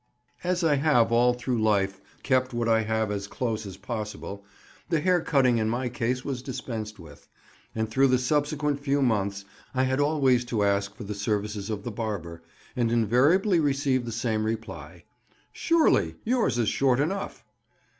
As I have all through life kept what I have as close as possible, the hair cutting in my case was dispensed with, and through the subsequent few months I had always to ask for the services of the barber, and invariably received the same reply—"Surely, yours is short enough!"